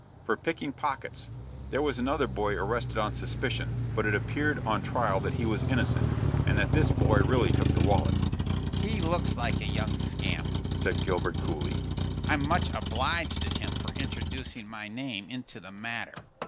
"For picking pockets. There was another boy arrested on suspicion, but it appeared on trial that he was innocent, and that this boy really took the wallet." "He looks like a young scamp," said Gilbert, coolly. "I'm much obliged to him for introducing my name into the matter.